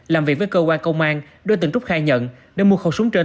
làm việc với cơ quan công an đối tượng trúc khai nhận đã mua khẩu súng trên